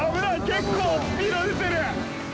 結構スピード出てる。